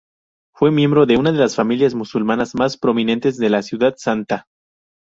Fue miembro de una de las familias musulmanas más prominentes de la Ciudad Santa.